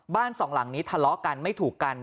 บ้านหลังนี้ทะเลาะกันไม่ถูกกัน